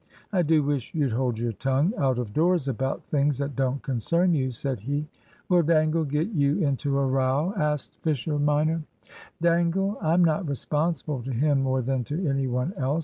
"I do wish you'd hold your tongue out of doors about things that don't concern you," said he. "Will Dangle get you into a row?" asked Fisher minor. "Dangle? I'm not responsible to him more than to any one else.